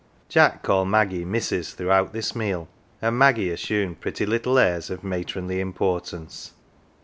Jack called Maggie " Missus " through out this meal, and Maggie assumed pretty little airs of matronly importance.